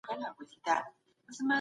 شنې ونې ساه پياوړې کوي